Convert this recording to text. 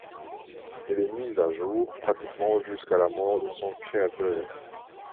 Elle est mise à jour pratiquement jusqu'à la mort de son créateur.